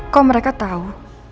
kok mereka tahu